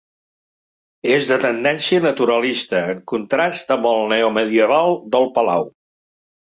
És de tendència naturalista, en contrast amb el neomedieval del Palau.